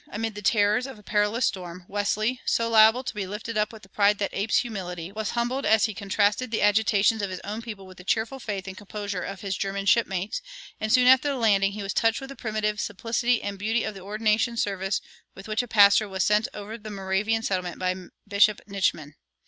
Amid the terrors of a perilous storm, Wesley, so liable to be lifted up with the pride that apes humility, was humbled as he contrasted the agitations of his own people with the cheerful faith and composure of his German shipmates; and soon after the landing he was touched with the primitive simplicity and beauty of the ordination service with which a pastor was set over the Moravian settlement by Bishop Nitschmann.